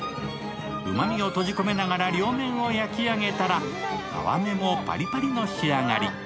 うまみを閉じ込めながら両面を焼き上げたら、皮目もパリパリの仕上がり。